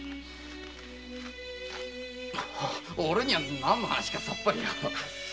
オレには何の話かさっぱり。